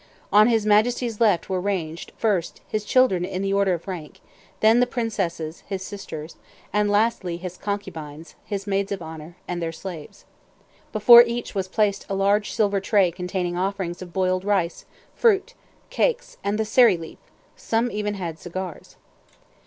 On his Majesty's left were ranged, first, his children in the order of rank; then the princesses, his sisters; and, lastly, his concubines, his maids of honor, and their slaves. Before each was placed a large silver tray containing offerings of boiled rice, fruit, cakes, and the seri leaf; some even had cigars.